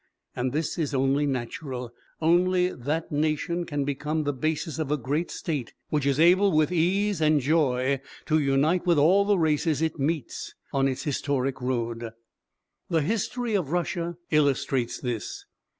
And this is only natural: only that nation can become the basis of a great state which is able with ease and joy to unite with all the races it meets on its historic road. The history of Russia illustrates this.